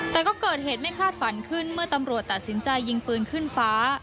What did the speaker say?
แต่ก็เกิดเหตุไม่คาดฝันขึ้นเมื่อตำรวจตัดสินใจยิงปืนขึ้นฟ้า